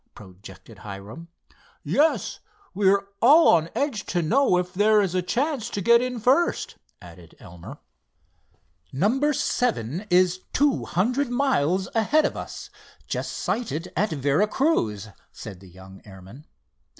projected Hiram. "Yes, we're all on edge to know if there is a chance to get in first," added Elmer. "Number seven is two hundred miles ahead of us—just sighted at Vera Cruz," said the young airman.